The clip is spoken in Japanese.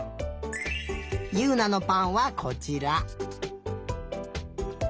ゆうなのぱんはこちら。